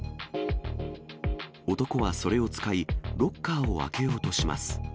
男はそれを使い、ロッカーを開けようとします。